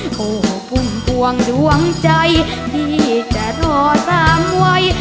โอ้โหปุ่มปวงดวงใจพี่จะทอดตามไว้